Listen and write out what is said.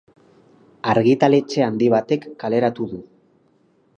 Argitaletxe handi batek kaleratu du.